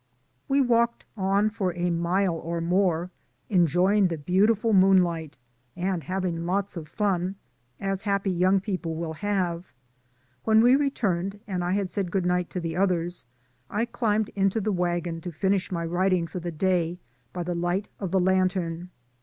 We walked on for a mile or more, enjoy ing the beautiful moonlight, and having lots of fun, as happy young people will have. When we returned and I had said good night to the others, I climbed into the wagon to finish my writing for the day by the light of the lantern.